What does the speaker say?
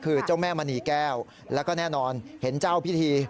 คือเจ้าแม่มณีแก้วแล้วก็แน่นอนเห็นเจ้าพิธี